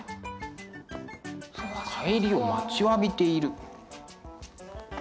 帰りを待ちわびている。